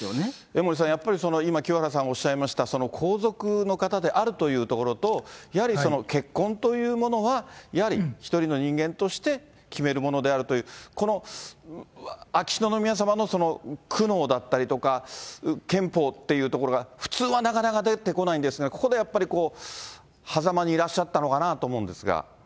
江森さん、やっぱり今、清原さんがおっしゃいました、皇族の方であるというところと、やはり結婚というものはやはり一人の人間として決めるものであるという、この秋篠宮さまのその苦悩だったりとか、憲法っていうところが、普通はなかなか出てこないんですが、ここでやっぱり、こう、はざまにいらっしゃったのかなと思うんですが。